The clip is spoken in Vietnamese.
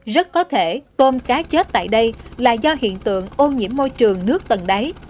rất có thể tôm cá chết tại đây là do hiện tượng ô nhiễm môi trường nước tầng đáy